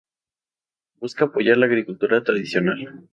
Busca apoyar la agricultura tradicional.